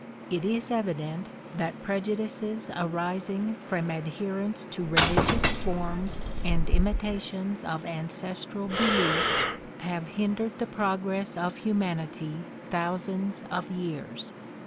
It is evident that prejudices arising from adherence to religious forms and imi tation of ancestral beliefs have hindered the progress of humanity thousands of years.